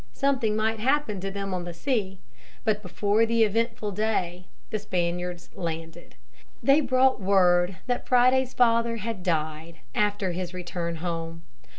Something might happen to them on the sea. But before the eventful day the Spaniards landed. They brought word that Friday's father had died after his return home.